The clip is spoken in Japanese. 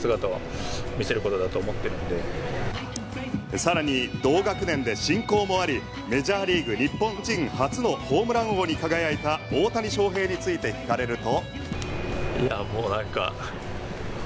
さらに同学年で親交もありメジャーリーグ日本人初のホームラン王に輝いた大谷翔平について聞かれると。